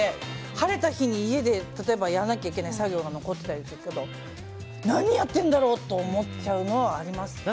晴れた日に家で例えばやらなきゃいけない作業が残っていたりすると何やってるんだろうと思っちゃうのはあります。